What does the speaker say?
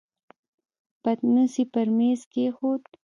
پتنوس يې پر مېز کېښود.